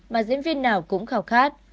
mà diễn viên nào cũng khảo khát